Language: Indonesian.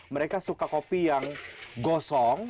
mereka suka kopi yang gosong